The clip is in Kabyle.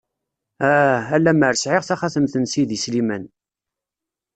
Ah...! A lammer sɛiɣ taxatemt n sidi Sliman!